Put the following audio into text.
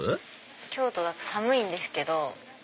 京都寒いんですけど。